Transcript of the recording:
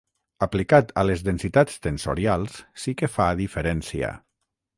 Aplicat a les densitats tensorials, sí que "fa" diferència.